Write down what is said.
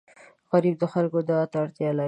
غریب د خلکو دعا ته اړتیا لري